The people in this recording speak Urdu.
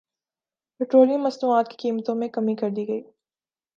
پٹرولیم مصنوعات کی قیمتوں میں کمی کردی گئی